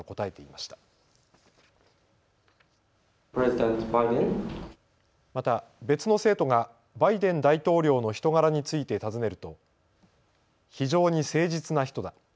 また、別の生徒がバイデン大統領の人柄について尋ねると非常に誠実な人だ。